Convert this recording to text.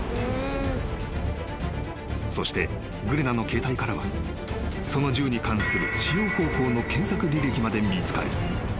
［そしてグレナの携帯からはその銃に関する使用方法の検索履歴まで見つかり］